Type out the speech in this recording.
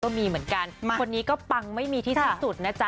เหมือนกันคนนี้ก็ปังไม่มีที่สิ้นสุดนะจ๊